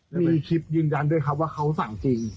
แล้วมีคลิปยืนยันด้วยครับว่าเขาสั่งจริง